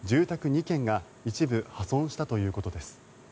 ２軒が一部破損したということです。